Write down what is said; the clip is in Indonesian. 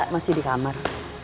masih di kamar